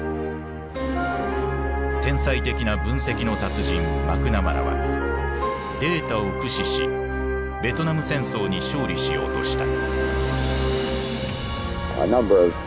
天才的な分析の達人マクナマラはデータを駆使しベトナム戦争に勝利しようとした。